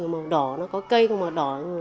màu đỏ có cây màu đỏ